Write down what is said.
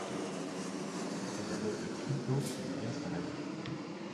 Il adopte Krypto qui devient son allié.